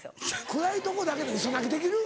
暗いとこだけウソ泣きできる？